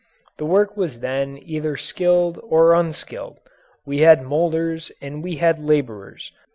The work was then either skilled or unskilled; we had moulders and we had labourers.